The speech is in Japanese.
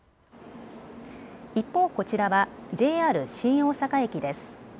一方、こちらはＪＲ新大阪駅です。